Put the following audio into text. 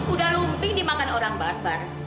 udah lumping dimakan orang bakbar